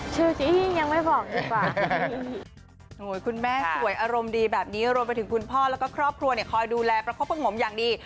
ชื่อจริงบอกได้ยังกี่